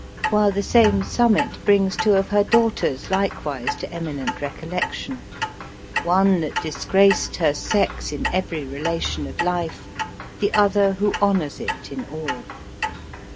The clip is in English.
While the same summit brings two of her daughters likewise to eminent recollection. One that disgraced her sex in every relation of life; the other, who honors it, in all.